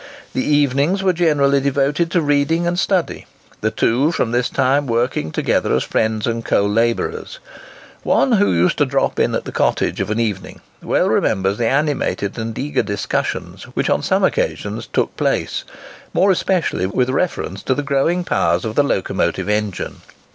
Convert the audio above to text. The evenings were generally devoted to reading and study, the two from this time working together as friends and co labourers. One who used to drop in at the cottage of an evening, well remembers the animated and eager discussions which on some occasions took place, more especially with reference to the growing powers of the locomotive engine.